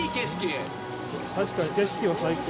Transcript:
確かに景色は最高。